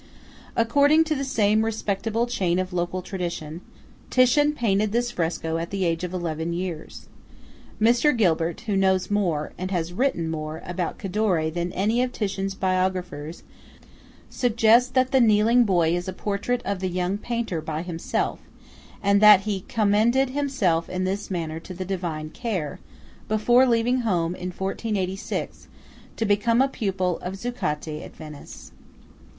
According to the same respectable chain of local tradition, Titian painted this fresco at the age of eleven years. Mr. Gilbert, who knows more, and has written more, about Cadore than any of Titian's biographers, suggests that the kneeling boy is a portrait of the young painter by himself; and that he "commended himself in this manner to the Divine care" before leaving home in 1486, to become a pupil of Zuccati at Venice.